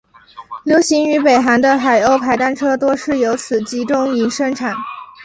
流行于北韩的海鸥牌单车多是由此集中营生产。